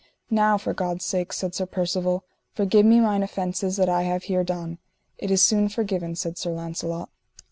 Now for God's sake, said Sir Percivale, forgive me mine offences that I have here done. It is soon forgiven, said Sir Launcelot.